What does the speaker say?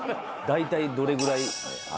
大体どれぐらい？